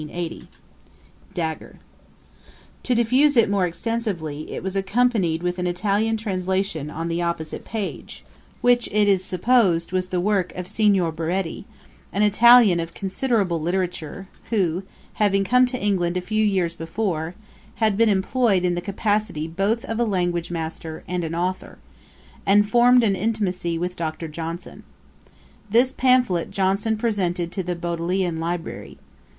[Dagger] To diffuse it more extensively, it was accompanied with an Italian translation on the opposite page, which it is supposed was the work of Signor Baretti, an Italian of considerable literature, who having come to England a few years before, had been employed in the capacity both of a language master and an authour, and formed an intimacy with Dr. Johnson. This pamphlet Johnson presented to the Bodleian Library.